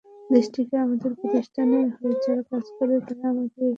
দেশটিতে আমাদের প্রতিষ্ঠানের হয়ে যাঁরা কাজ করেন, তাঁরা আমাকে এসব কথা জানিয়েছেন।